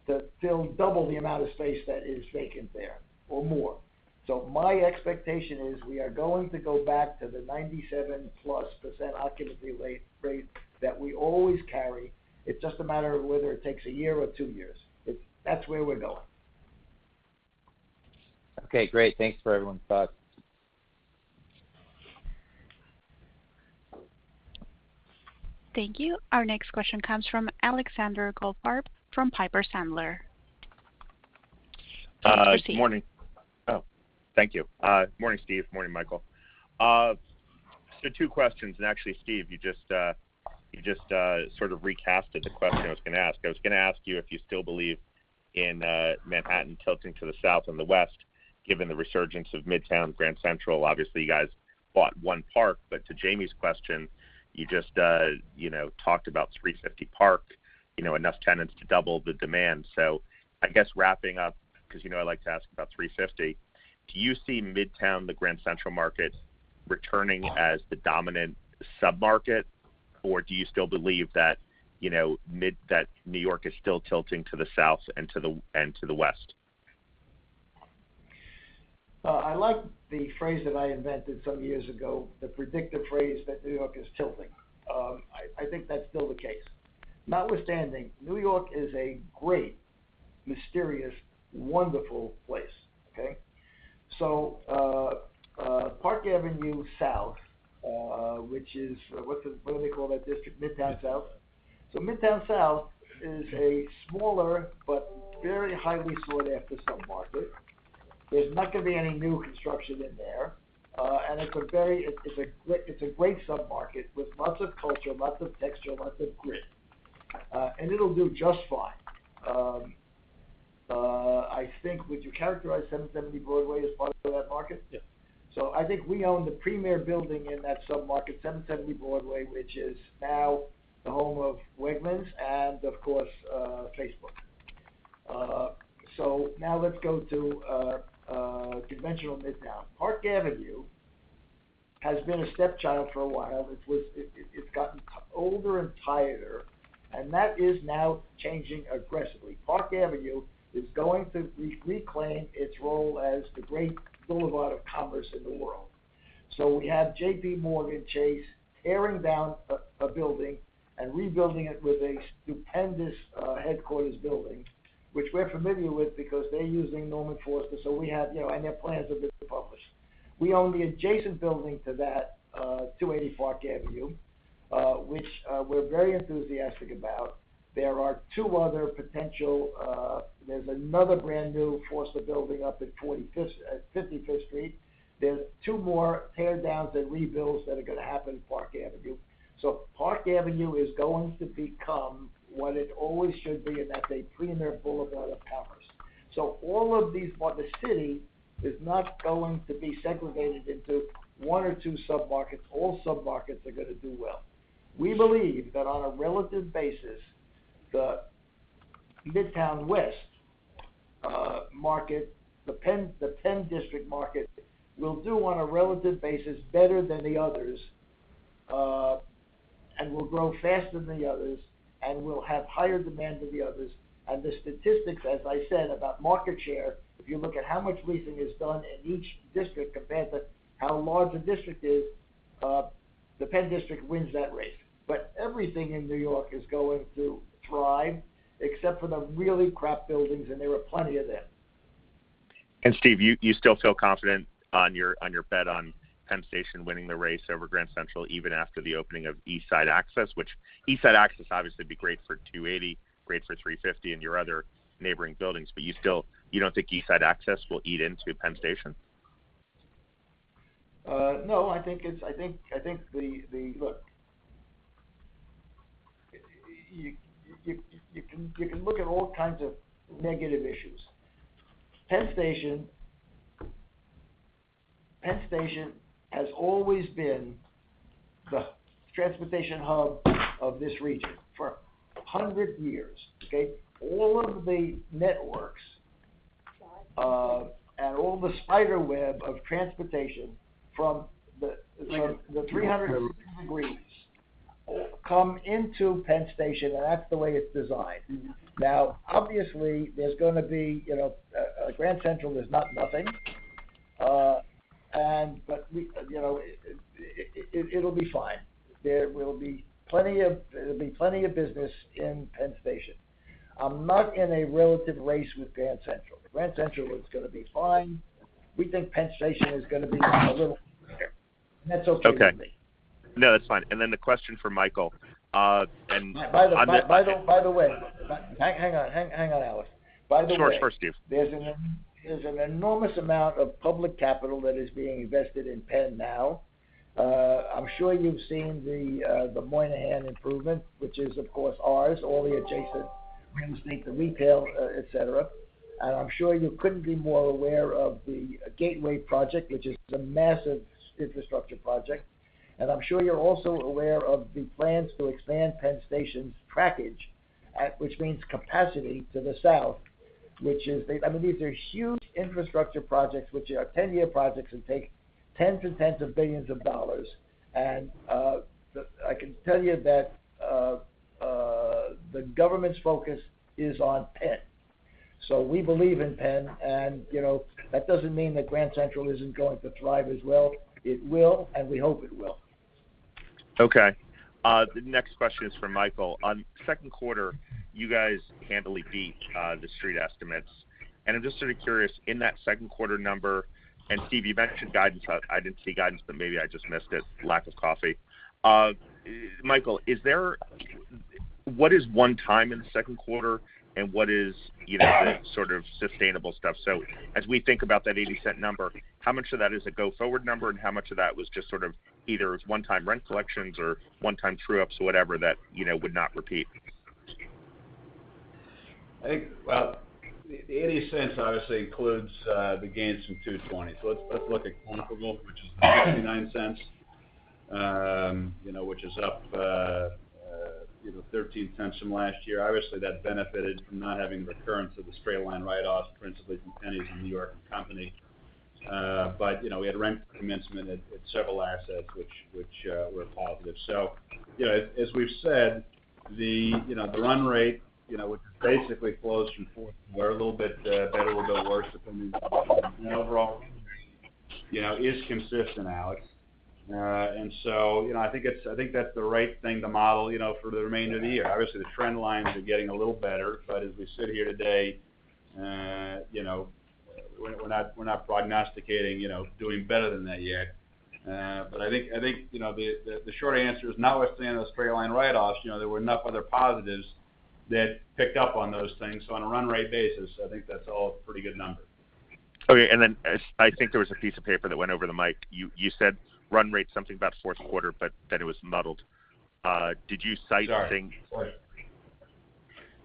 to fill double the amount of space that is vacant there, or more. My expectation is we are going to go back to the 97% plus occupancy rate that we always carry. It's just a matter of whether it takes a year or two years. That's where we're going. Okay, great. Thanks for everyone's thoughts. Thank you. Our next question comes from Alexander Goldfarb from Piper Sandler. Morning. Oh, thank you. Morning, Steve. Morning, Michael. Two questions, and actually, Steve, you just sort of recast the question I was going to ask. I was going to ask you if you still believe in Manhattan tilting to the south and the west, given the resurgence of Midtown and Grand Central. Obviously, you guys bought One Park, but to Jamie's question, you just talked about 350 Park, enough tenants to double the demand. I guess wrapping up, because you know I like to ask about 350, do you see Midtown, the Grand Central market, returning as the dominant sub-market? Do you still believe that New York is still tilting to the south and to the west? I like the phrase that I invented some years ago, the predictive phrase that New York is tilting. I think that's still the case. Notwithstanding, New York is a great, mysterious, wonderful place. Okay? Park Avenue South, what do they call that district? Midtown South? Midtown South is a smaller but very highly sought-after sub-market. There's not going to be any new construction in there. It's a great sub-market with lots of culture, lots of texture, lots of grit. It'll do just fine. I think, would you characterize 770 Broadway as part of that market? Yes. I think we own the premier building in that sub-market, 770 Broadway, which is now the home of Wegmans and of course, Facebook. Now let's go to conventional Midtown. Park Avenue has been a stepchild for a while. It's gotten older and tireder, and that is now changing aggressively. Park Avenue is going to reclaim its role as the great boulevard of commerce in the world. We have JPMorgan Chase tearing down a building and rebuilding it with a stupendous headquarters building, which we're familiar with because they're using Norman Foster, and their plans have been published. We own the adjacent building to that, 280 Park Avenue, which we're very enthusiastic about. There's another brand-new Foster building up at 55th Street. There's two more teardowns and rebuilds that are going to happen in Park Avenue. Park Avenue is going to become what it always should be, and that's a premier boulevard of commerce. The city is not going to be segregated into one or two sub-markets. All sub-markets are going to do well. We believe that on a relative basis, the Midtown West market, THE PENN DISTRICT market, will do on a relative basis better than the others, and will grow faster than the others, and will have higher demand than the others. The statistics, as I said, about market share, if you look at how much leasing is done in each district compared to how large a district is, THE PENN DISTRICT wins that race. Everything in New York is going to thrive, except for the really crap buildings, and there are plenty of them. Steve, you still feel confident on your bet on Penn Station winning the race over Grand Central, even after the opening of East Side Access? Which East Side Access obviously would be great for 280, great for 350, and your other neighboring buildings, but you don't think East Side Access will eat into Penn Station? No. Look, you can look at all kinds of negative issues. Penn Station has always been the transportation hub of this region for 100 years. Okay? All of the networks and all the spider web of transportation from the 360 degrees come into Penn Station. That's the way it's designed. Now, obviously, Grand Central is not nothing. It'll be fine. There will be plenty of business in Penn Station. I'm not in a relative race with Grand Central. Grand Central is going to be fine. We think Penn Station is going to be a little better. That's okay with me. Okay. No, that's fine. The question for Michael. By the way. Hang on, Alex. Sure. Sure, Steve There's an enormous amount of public capital that is being invested in Penn now. I'm sure you've seen the Moynihan improvement, which is, of course, ours, all the adjacent real estate, the retail, et cetera. I'm sure you couldn't be more aware of the Gateway Project, which is a massive infrastructure project. I'm sure you're also aware of the plans to expand Penn Station's trackage, which means capacity to the south. These are huge infrastructure projects, which are 10-year projects that take tens of billions of dollars. I can tell you that the government's focus is on PENN. We believe in Penn. That doesn't mean that Grand Central isn't going to thrive as well. It will. We hope it will. Okay. The next question is for Michael. On second quarter, you guys handily beat the Street estimates. I'm just sort of curious, in that second quarter number, Steve, you mentioned guidance. I didn't see guidance, maybe I just missed it, lack of coffee. Michael, what is one time in the second quarter, what is the sort of sustainable stuff? As we think about that $0.80 number, how much of that is a go-forward number, how much of that was just sort of either one-time rent collections or one-time true-ups or whatever that would not repeat? Well, the $0.80 obviously includes the gains from 220. Let's look at comparable, which is $0.59, which is up $0.13 from last year. Obviously, that benefited from not having recurrence of the straight-line write-offs, principally from JCPenney and New York & Company. We had rent commencement at several assets which were positive. As we've said, the run rate, which basically flows from fourth quarter a little bit better or a little worse, depending on the overall, is consistent, Alex. I think that's the right thing to model for the remainder of the year. Obviously, the trend lines are getting a little better, but as we sit here today, we're not prognosticating doing better than that yet. I think, the short answer is, notwithstanding those straight-line write-offs, there were enough other positives that picked up on those things. On a run-rate basis, I think that's all a pretty good number. Okay. I think there was a piece of paper that went over the mic. You said run rate something about fourth quarter, but then it was muddled. Did you cite something? Sorry.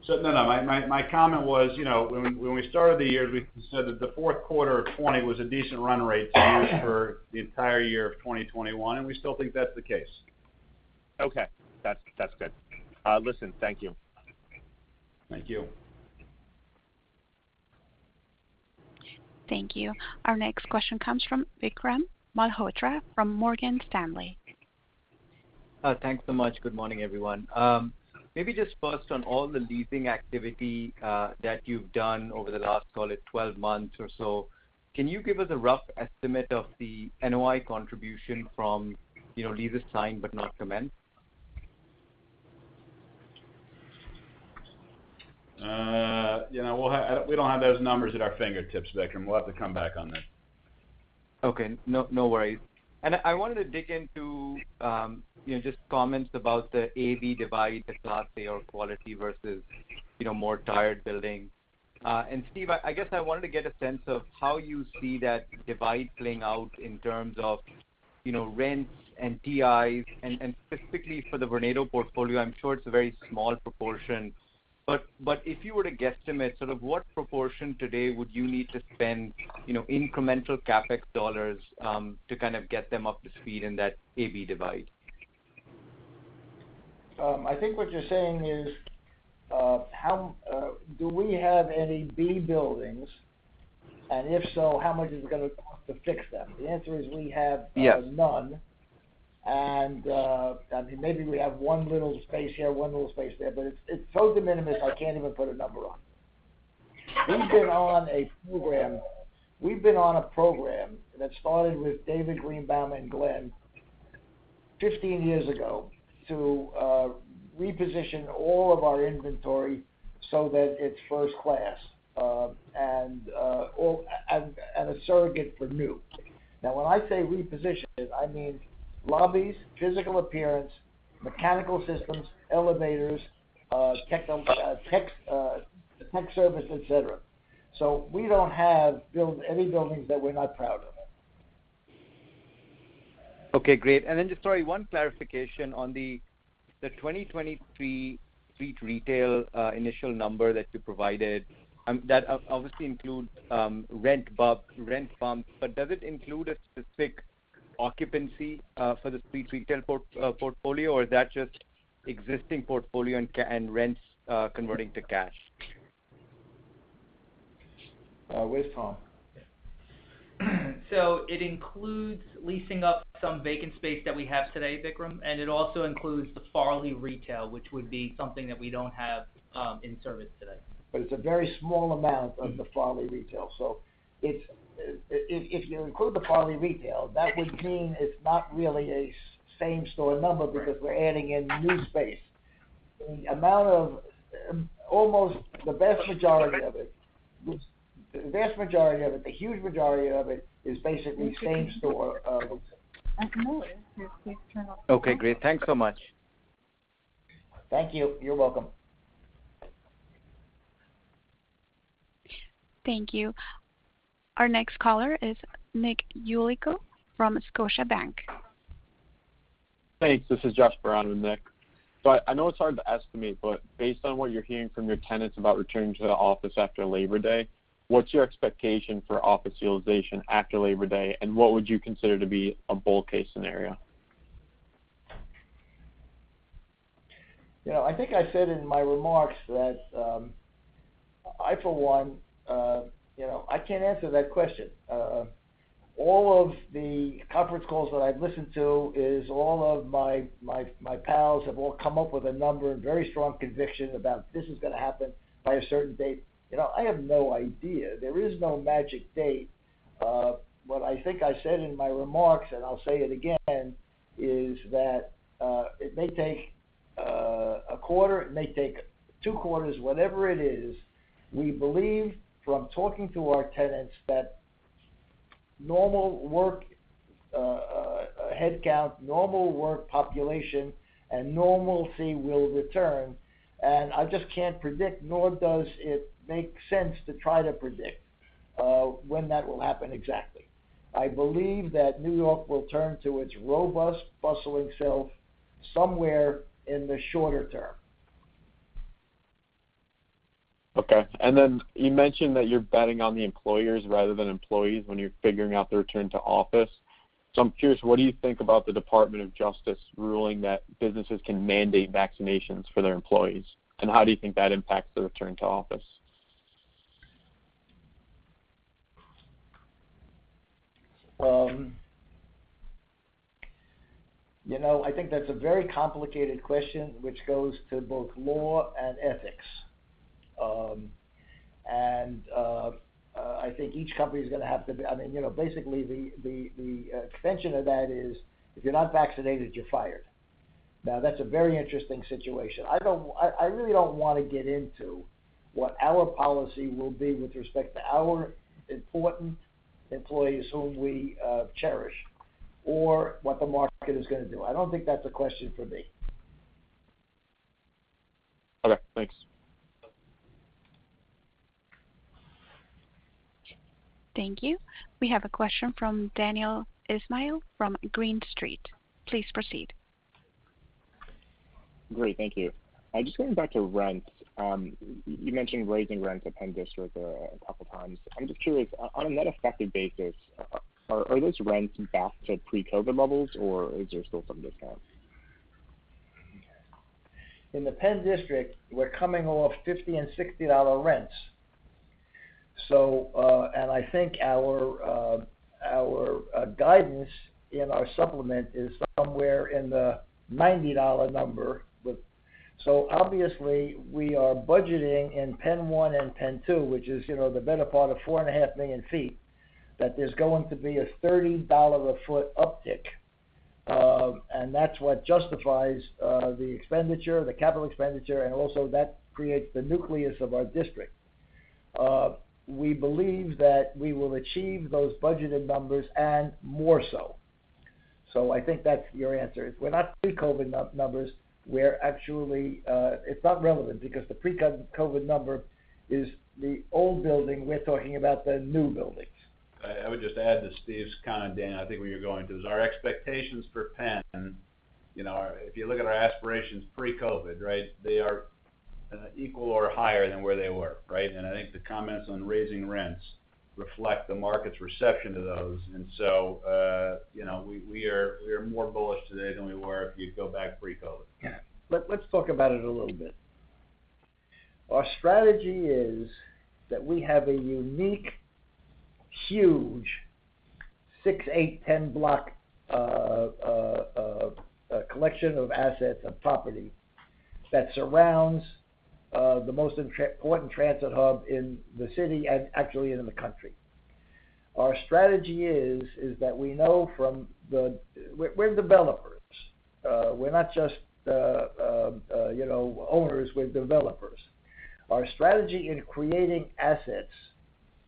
No, my comment was, when we started the year, we said that the fourth quarter of 2020 was a decent run rate to use for the entire year of 2021, and we still think that's the case. Okay. That's good. Listen, thank you. Thank you. Thank you. Our next question comes from Vikram Malhotra from Morgan Stanley. Thanks so much. Good morning, everyone. Maybe just first on all the leasing activity that you've done over the last, call it 12 months or so, can you give us a rough estimate of the NOI contribution from leases signed but not commenced? We don't have those numbers at our fingertips, Vikram. We'll have to come back on that. Okay, no worries. I wanted to dig into just comments about the AB divide, the Class A or quality versus more tired building. Steve, I guess I wanted to get a sense of how you see that divide playing out in terms of rents and TIs, specifically for the Vornado portfolio, I'm sure it's a very small proportion, but if you were to guesstimate sort of what proportion today would you need to spend incremental CapEx dollars to kind of get them up to speed in that AB divide? I think what you're saying is, do we have any B buildings, and if so, how much is it going to cost to fix them? The answer is we have- Yes -none. I mean, maybe we have one little space here, one little space there, but it's so de minimis I can't even put a number on it. We've been on a program that started with David Greenbaum and Glen 15 years ago to reposition all of our inventory so that it's first class, and a surrogate for new. Now, when I say reposition it, I mean lobbies, physical appearance, mechanical systems, elevators, tech service, et cetera. We don't have any buildings that we're not proud of. Okay, great. Just sorry, one clarification on the 2023 street retail initial number that you provided. That obviously includes rent bumps, but does it include a specific occupancy for the street retail portfolio, or is that just existing portfolio and rents converting to cash? Where's Tom? It includes leasing up some vacant space that we have today, Vikram, and it also includes the Farley retail, which would be something that we don't have in service today. It's a very small amount of the Farley retail. If you include the Farley retail, that would mean it's not really a same-store number because we're adding in new space. The vast majority of it, the huge majority of it, is basically same-store books. Okay, great. Thanks so much. Thank you. You're welcome. Thank you. Our next caller is Nick Yulico from Scotiabank. Thanks. This is Josh Brown with Nick. I know it's hard to estimate, but based on what you're hearing from your tenants about returning to the office after Labor Day, what's your expectation for office utilization after Labor Day, and what would you consider to be a bull case scenario? I think I said in my remarks that I, for one, I can't answer that question. All of the conference calls that I've listened to is all of my pals have all come up with a number and very strong conviction about this is going to happen by a certain date. I have no idea. There is no magic date. What I think I said in my remarks, and I'll say it again, is that it may take a quarter, it may take two quarters, whatever it is, we believe from talking to our tenants that normal work headcount, normal work population, and normalcy will return. I just can't predict, nor does it make sense to try to predict when that will happen exactly. I believe that New York will return to its robust, bustling self somewhere in the shorter term. Okay. You mentioned that you're betting on the employers rather than employees when you're figuring out the return to office. I'm curious, what do you think about the Department of Justice ruling that businesses can mandate vaccinations for their employees? How do you think that impacts the return to office? I think that's a very complicated question, which goes to both law and ethics. I think each company is going to have to Basically the extension of that is if you're not vaccinated, you're fired. That's a very interesting situation. I really don't want to get into what our policy will be with respect to our important employees whom we cherish or what the market is going to do. I don't think that's a question for me. Okay, thanks. Thank you. We have a question from Daniel Ismail from Green Street. Please proceed. Great. Thank you. Just going back to rents. You mentioned raising rents at PENN DISTRICT a couple times. I'm just curious, on a net effective basis, are those rents back to pre-COVID levels, or is there still some discounts? In THE PENN DISTRICT, we're coming off $50 and $60 rents. I think our guidance in our supplement is somewhere in the $90 number. Obviously, we are budgeting in PENN 1 and PENN 2, which is the better part of 4.5 million feet, that there's going to be a $30 a foot uptick. That's what justifies the expenditure, the capital expenditure, and also that creates the nucleus of our district. We believe that we will achieve those budgeted numbers and more so. I think that's your answer, is we're not pre-COVID numbers. It's not relevant because the pre-COVID number is the old building. We're talking about the new buildings. I would just add to Steve's comment, Dan, I think where you're going to, is our expectations for Penn, if you look at our aspirations pre-COVID, they are equal to or higher than where they were. I think the comments on raising rents reflect the market's reception to those. We are more bullish today than we were if you go back pre-COVID. Yeah. Let's talk about it a little bit. Our strategy is that we have a unique, huge, six, eight, 10-block collection of assets, of property that surrounds the most important transit hub in the city and actually in the country. We're developers. We're not just owners, we're developers. Our strategy in creating assets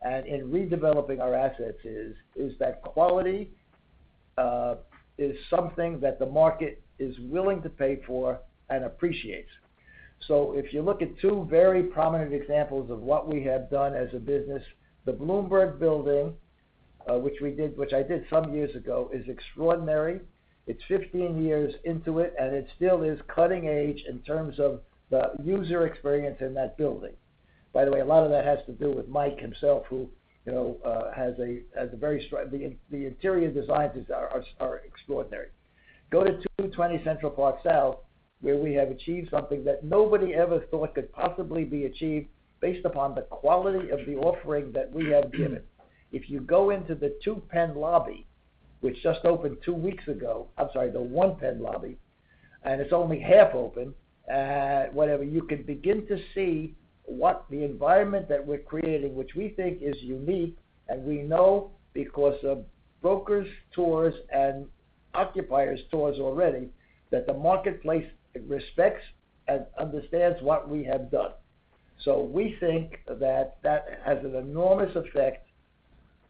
and in redeveloping our assets is that quality is something that the market is willing to pay for and appreciates. If you look at two very prominent examples of what we have done as a business, the Bloomberg building, which I did some years ago, is extraordinary. It's 15 years into it, and it still is cutting edge in terms of the user experience in that building. By the way, a lot of that has to do with Mike himself, the interior designs are extraordinary. Go to 220 Central Park South, where we have achieved something that nobody ever thought could possibly be achieved based upon the quality of the offering that we have given. If you go into the 2 PENN Lobby, which just opened two weeks ago, I'm sorry, the 1 PENN Lobby. It's only half open. Whatever, you can begin to see what the environment that we're creating, which we think is unique, and we know because of brokers tours and occupiers tours already, that the marketplace respects and understands what we have done. We think that has an enormous effect,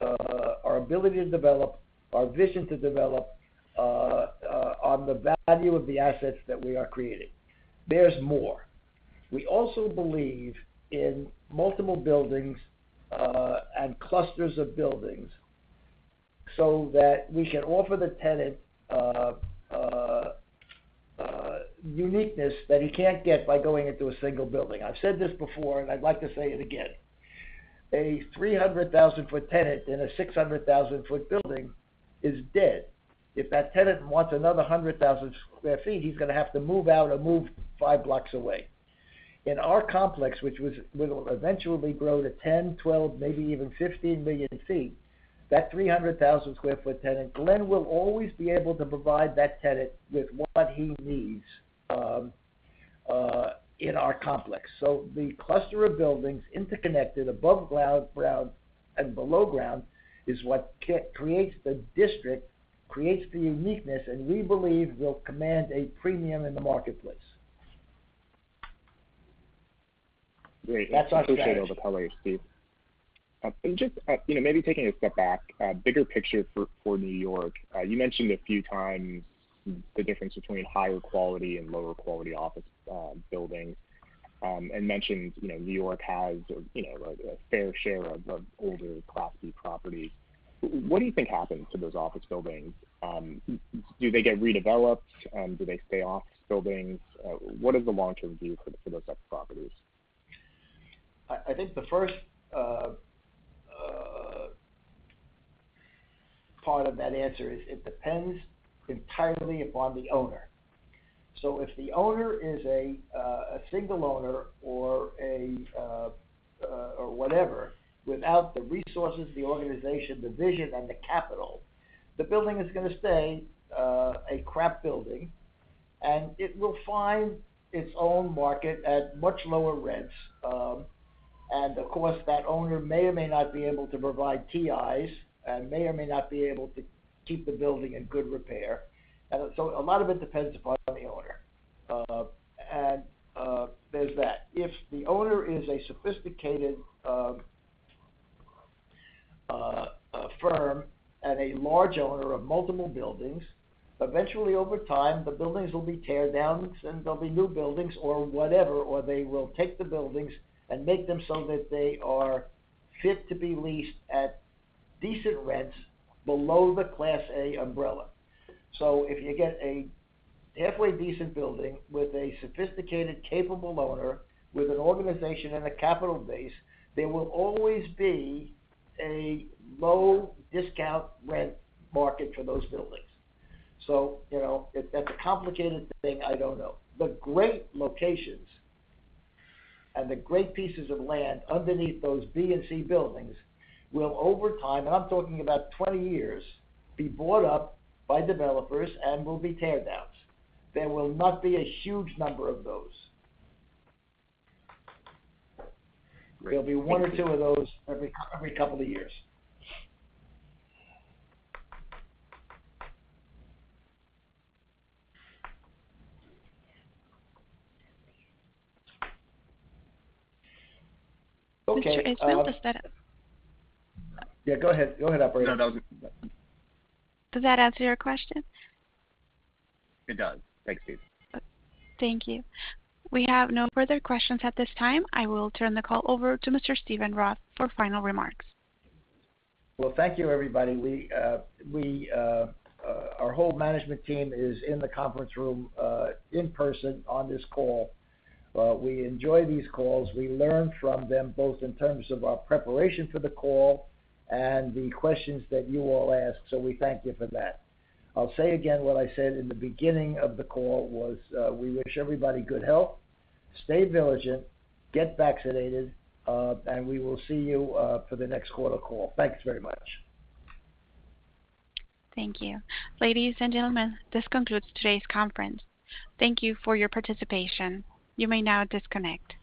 our ability to develop, our vision to develop, on the value of the assets that we are creating. There's more. We also believe in multiple buildings and clusters of buildings so that we can offer the tenant uniqueness that he can't get by going into a single building. I've said this before, and I'd like to say it again. A 300,000-ft tenant in a 600,000-ft building is dead. If that tenant wants another 100,000 sq ft, he's going to have to move out or move 5 blocks away. In our complex, which will eventually grow to 10, 12, maybe even 15 million feet, that 300,000 sq ft tenant, Glen will always be able to provide that tenant with what he needs in our complex. The cluster of buildings interconnected above ground and below ground is what creates the district, creates the uniqueness, and we believe will command a premium in the marketplace. Great. That's our strategy. I appreciate all the color, Steve. Just maybe taking a step back, bigger picture for New York. You mentioned a few times the difference between higher quality and lower quality office buildings, and mentioned New York has a fair share of older, crappy properties. What do you think happens to those office buildings? Do they get redeveloped? Do they stay office buildings? What is the long-term view for those types of properties? I think the first part of that answer is it depends entirely upon the owner. If the owner is a single owner or whatever, without the resources, the organization, the vision, and the capital, the building is going to stay a crap building, and it will find its own market at much lower rents. Of course, that owner may or may not be able to provide TIs and may or may not be able to keep the building in good repair. A lot of it depends upon the owner. There's that. If the owner is a sophisticated firm and a large owner of multiple buildings, eventually over time, the buildings will be tear downs, and there'll be new buildings or whatever, or they will take the buildings and make them so that they are fit to be leased at decent rents below the Class A umbrella. If you get a halfway decent building with a sophisticated, capable owner, with an organization and a capital base, there will always be a low discount rent market for those buildings. If that's a complicated thing, I don't know. The great locations and the great pieces of land underneath those B and C buildings will over time, and I'm talking about 20 years, be bought up by developers and will be tear downs. There will not be a huge number of those. Great. Thank you. There'll be one or two of those every couple of years. Okay. Mr. Steven Yeah, go ahead. Go ahead, operator. That was me. Does that answer your question? It does. Thanks you. Thank you. We have no further questions at this time. I will turn the call over to Mr. Steven Roth for final remarks. Well, thank you everybody. Our whole management team is in the conference room, in person on this call. We enjoy these calls. We learn from them both in terms of our preparation for the call and the questions that you all ask. We thank you for that. I'll say again what I said in the beginning of the call was, we wish everybody good health, stay diligent, get vaccinated, and we will see you for the next quarter call. Thanks very much. Thank you. Ladies and gentlemen, this concludes today's conference. Thank you for your participation. You may now disconnect.